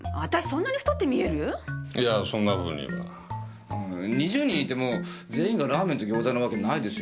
そんなに太って見える⁉いやそんなふうには２０人いても全員がラーメンとギョーザのわけないですよね